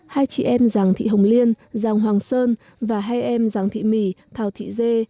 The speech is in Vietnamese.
hai chị em giàng thị hồng liên giàng hoàng sơn và hai em giàng thị mỉ thảo thị dê